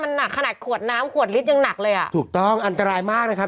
มันหนักขนาดขวดน้ำขวดลิตรยังหนักเลยอ่ะถูกต้องอันตรายมากนะครับ